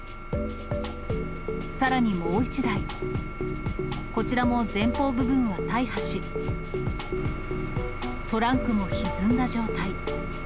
さらにもう１台、こちらも前方部分は大破し、トランクもひずんだ状態。